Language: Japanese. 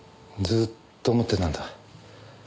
ずっと思ってたんだ。